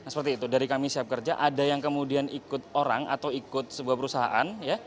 seperti itu dari kami siap kerja ada yang kemudian ikut orang atau ikut sebuah perusahaan